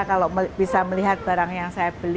kalau bisa mencari keramik bisa mencari produk keramik